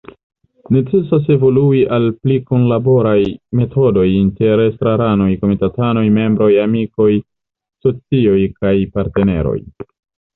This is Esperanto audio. Necesas evolui al pli kunlaboraj metodoj inter estraranoj, komitatanoj, membroj, amikoj, asocioj kaj partneroj.